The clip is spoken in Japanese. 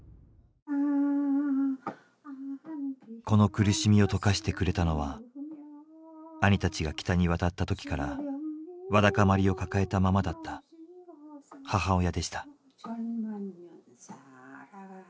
この苦しみをとかしてくれたのは兄たちが北に渡った時からわだかまりを抱えたままだった母親でした。